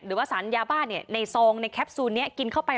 หรือว่าสารยาบ้าในซองในแคปซูลนี้กินเข้าไป